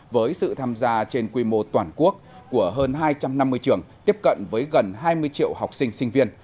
với sự tham gia trên quy mô toàn quốc của hơn hai trăm năm mươi trường tiếp cận với gần hai mươi triệu học sinh sinh viên